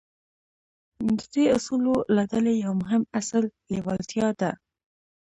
د دې اصولو له ډلې يو مهم اصل لېوالتیا ده.